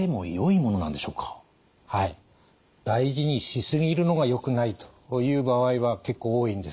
大事にし過ぎるのがよくないという場合は結構多いんです。